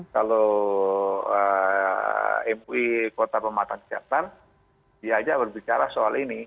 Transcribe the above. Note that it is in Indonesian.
kalau mui kota pematang santar dia aja berbicara soal ini